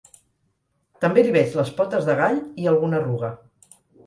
També li veig les potes de gall i alguna arruga.